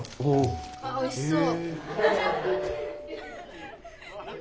あっおいしそう。